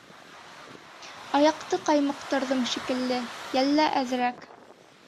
Аяҡты ҡаймыҡтырҙым шикелле, йәллә әҙерәк.